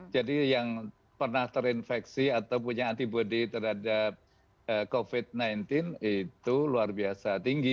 jadi yang pernah terinfeksi atau punya antibody terhadap covid sembilan belas itu luar biasa tinggi